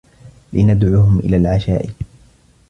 لندعُهم إلى العشاء.